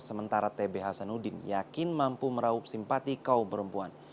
sementara tb hasanuddin yakin mampu meraup simpati kaum perempuan